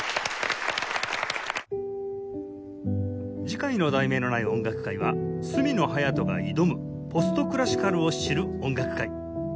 次回の『題名のない音楽会』は「角野隼斗が挑む！ポストクラシカルを知る音楽会」